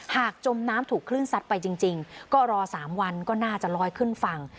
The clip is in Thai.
จมน้ำถูกคลื่นซัดไปจริงก็รอ๓วันก็น่าจะลอยขึ้นฝั่ง